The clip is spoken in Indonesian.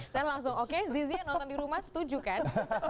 saya langsung oke zizi yang nonton di rumah setuju kan